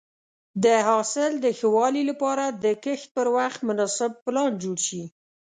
د حاصل د ښه والي لپاره د کښت پر وخت مناسب پلان جوړ شي.